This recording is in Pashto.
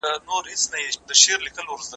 مشران به خلګو ته ازادي ورکړي.